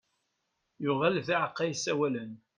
Yuɣal d aεeqqa yessawalen.